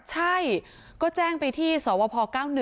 ใช่ก็แจ้งไปที่สวพ๙๑